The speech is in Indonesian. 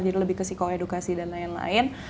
jadi lebih ke psikoedukasi dan lain lain